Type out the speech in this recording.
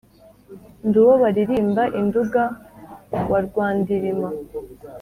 ndi uwo baririmba i nduga wa rwandirima